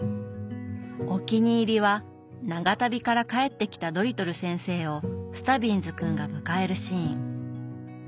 お気に入りは長旅から帰ってきたドリトル先生をスタビンズ君が迎えるシーン。